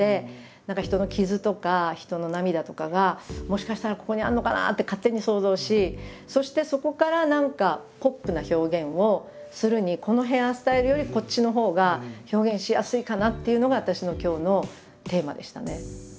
何か人の傷とか人の涙とかがもしかしたらここにあるのかなって勝手に想像しそしてそこから何かポップな表現をするにこのヘアスタイルよりこっちのほうが表現しやすいかなっていうのが私の今日のテーマでしたね。